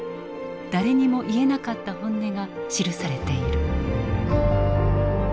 誰にも言えなかった本音が記されている。